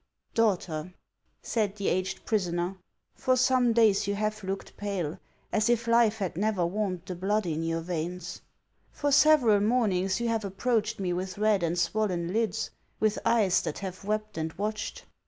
"Daughter." said the aged prisoner, "for some days you have looked pale, as if life had never warmed the blood in HANS OF ICELAND. 407 your veins. For several mornings you have approached me with red and swollen lids, with eyes that have wept and watched.